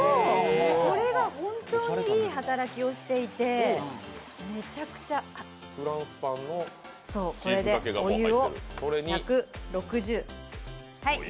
これが本当にいい働きをしていてこれでお湯を１６０。